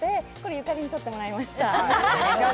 ユカリに撮ってもらいました。